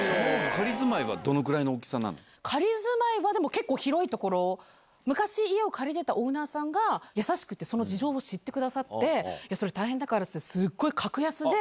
仮住まいはどのぐらいの大き仮住まいは、でも結構広い所を、昔家を借りてたオーナーさんが優しくて、その事情を知ってくださって、それ大変だからって言って、すごい格安で。